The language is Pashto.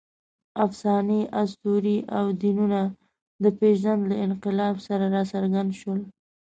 افسانې، اسطورې او دینونه د پېژند له انقلاب سره راڅرګند شول.